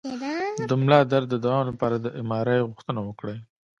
د ملا درد د دوام لپاره د ایم آر آی غوښتنه وکړئ